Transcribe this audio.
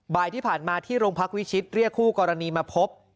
บ่ายที่ผ่านมาที่โรงพักวิชิตเรียกคู่กรณีมาพบ